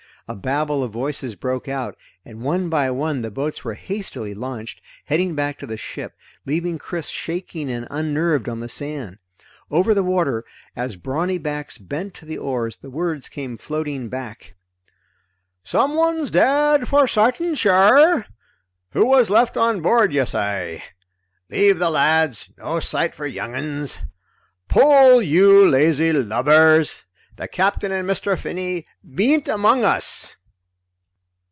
A babble of voices broke out, and one by one the boats were hastily launched, heading back to the ship, leaving Chris shaking and unnerved on the sand. Over the water as brawny backs bent to the oars the words came floating back: "Someone's dead for sartin sure " "Who was left on board, you say?" "Leave the lads no sight for young uns." "Pull, you lazy lubbers! The Capt'n and Mr. Finney bean't among us!"